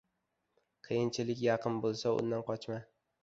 qiyinchilik yaqin bo‘lsa, undan qochma.